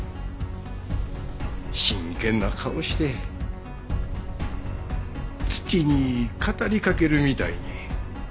真剣な顔して土に語りかけるみたいに。